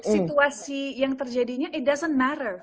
situasi yang terjadinya it doesn't matter